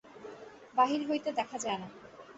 বাহির হইতে দেখা যায় না।